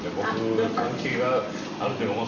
関係があるというかまあ